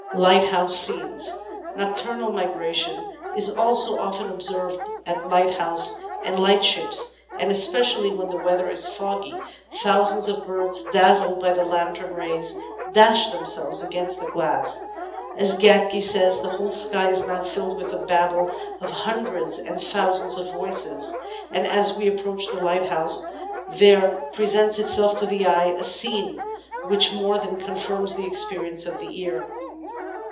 Lighthouse Scenes Nocturnal migration is also often observed at lighthouses and lightships, and especially when the weather is foggy thousands of birds, dazzled by the lantern rays, dash themselves against the glass. As Gatke says : "The whole sky is now filled with a babel of hundreds and thousands of voices, and as we approach the light house, there presents itself to the eye a scene which more than con firms the experience of the ear.